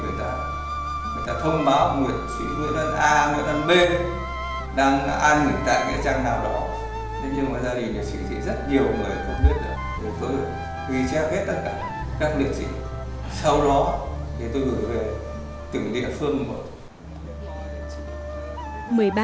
sau đó thì tôi gửi về từng địa phương một